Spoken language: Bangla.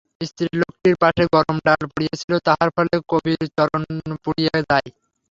স্ত্রীলোকটির পায়ে গরম ডাল পড়িয়াছিল, তাহার ফলে কবির চরণ পুড়িয়া যায়।